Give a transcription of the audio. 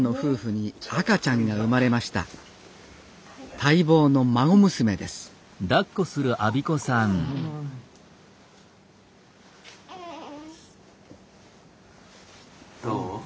待望の孫娘ですどう？